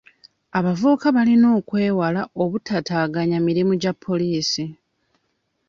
Abavubuka balina okwewala obutaataaganya emirimu gya poliisi.